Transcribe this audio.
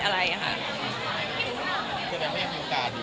ก็เลยเอาข้าวเหนียวมะม่วงมาปากเทียน